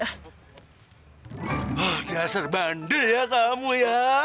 hah dasar bandel ya kamu ya